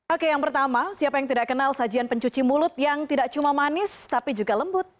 oke yang pertama siapa yang tidak kenal sajian pencuci mulut yang tidak cuma manis tapi juga lembut